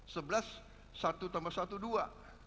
sebelas satu tambah satu dua